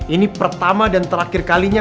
ini pertama dan terakhir kalinya